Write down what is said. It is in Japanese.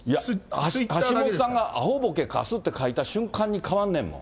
橋下さんが、あほ、ぼけ、かすって書いた瞬間に変わんねんもん。